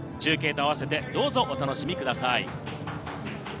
中継とあわせて、どうぞお楽しみください。